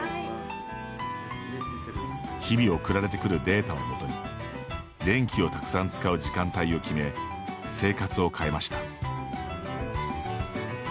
日々送られてくるデータを基に電気をたくさん使う時間帯を決め生活を変えました。